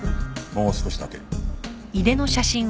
もう少しだけ。